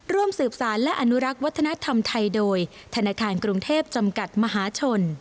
ร่วมสืบสารและอนุรักษ์วัฒนธรรมไทยโดยธนาคารกรุงเทพจำกัดมหาชน